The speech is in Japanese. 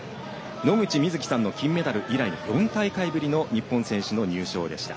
野口みずきさんの金メダル以来４大会ぶりの日本選手の入賞でした。